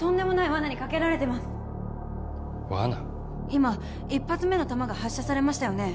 今１発目の弾が発射されましたよね？